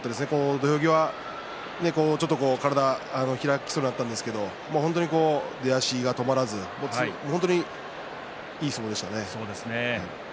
土俵際も体が開きそうになったんですが出足が止まらず本当にいい相撲でしたね。